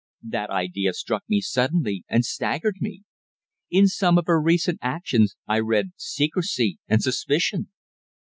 That idea struck me suddenly, and staggered me. In some of her recent actions I read secrecy and suspicion.